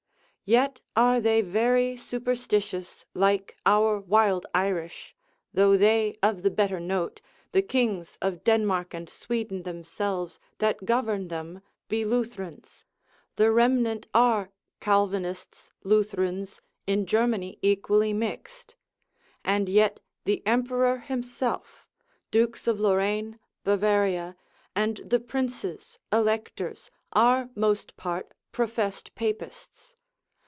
Yet are they very superstitious, like our wild Irish: though they of the better note, the kings of Denmark and Sweden themselves, that govern them, be Lutherans; the remnant are Calvinists, Lutherans, in Germany equally mixed. And yet the emperor himself, dukes of Lorraine, Bavaria, and the princes, electors, are most part professed papists.